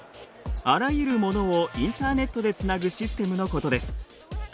あらゆるモノをインターネットでつなぐシステムのことです。